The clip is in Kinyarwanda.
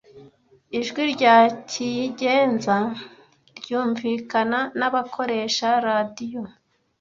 Ijwi rya kiyigenza ryumvikana nabakoresha radiyo